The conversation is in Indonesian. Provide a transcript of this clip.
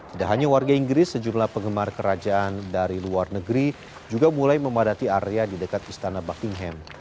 tidak hanya warga inggris sejumlah penggemar kerajaan dari luar negeri juga mulai memadati area di dekat istana buckingham